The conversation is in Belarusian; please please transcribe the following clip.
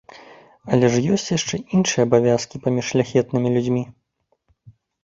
Але ж ёсць іншыя абавязкі паміж шляхетнымі людзьмі.